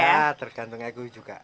ya tergantung aku juga